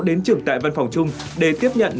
đến trưởng tại văn phòng chung để tiếp nhận